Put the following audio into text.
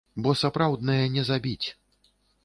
Бо сапраўднае не забіць.